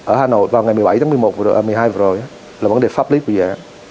ở hà nội vào ngày một mươi bảy tháng một mươi hai vừa rồi là vấn đề pháp lý của dự án